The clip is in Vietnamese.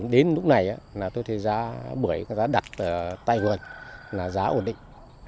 đến lúc này tôi thấy giá bưởi giá đặt tại vườn là giá ổn định